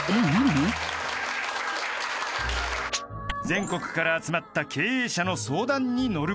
［全国から集まった経営者の相談に乗ることも］